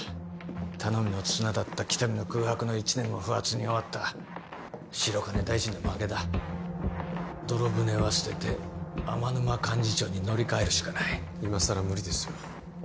頼みの綱だった喜多見の空白の一年も不発に終わった白金大臣の負けだ泥舟は捨てて天沼幹事長に乗り換えるしかない今さら無理ですよ